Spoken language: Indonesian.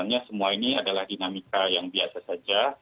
sebenarnya semua ini adalah dinamika yang biasa saja